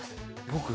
僕？